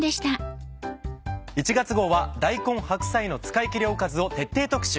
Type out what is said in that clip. １月号は大根・白菜の使い切りおかずを徹底特集。